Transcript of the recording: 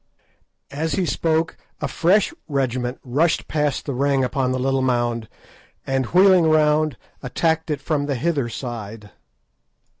As he spoke a fresh regiment rushed past the ring upon the little mound, and wheeling round, attacked it from the hither side.